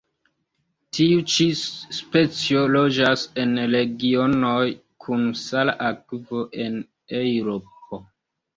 Tiu ĉi specio loĝas en regionoj kun sala akvo en Eŭropo.